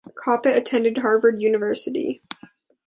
Kopit attended Harvard University.